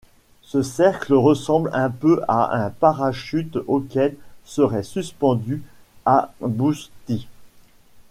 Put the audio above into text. Ce cercle ressemble un peu à un parachute auquel serait suspendu α Bootis.